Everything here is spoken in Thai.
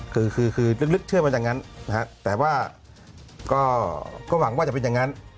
คือลึกเชื่อมาจากนั้นแต่ว่าก็หวังว่าจะเป็นอย่างนั้น